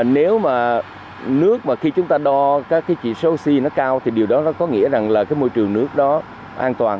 nếu mà nước mà khi chúng ta đo các chỉ số oxy nó cao thì điều đó có nghĩa là môi trường nước đó an toàn